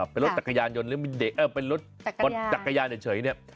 เป็นรถจักรยานยนต์หรือเป็นรถจักรยานเฉยเนี่ย